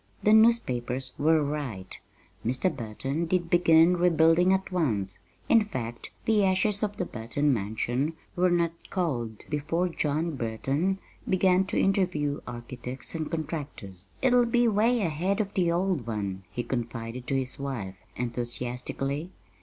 The newspapers were right Mr. Burton did begin rebuilding at once; in fact, the ashes of the Burton mansion were not cold before John Burton began to interview architects and contractors. "It'll be 'way ahead of the old one," he confided to his wife enthusiastically.